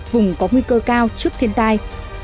vùng có nguy cơ cao trước thiên tai